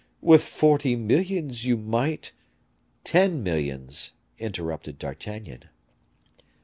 With forty millions you might " "Ten millions," interrupted D'Artagnan.